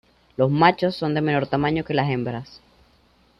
Los machos son de menor tamaño que las hembras.